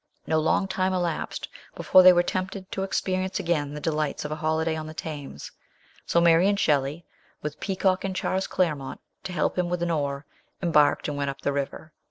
No long time elapsed before they were tempted to experience again the delights of a holiday on the Thames. So Mary and Shelley, with Peacock 92 MRS. SHELLEY. and Charles Clainnont to help him with an oar, em barked and went up the river.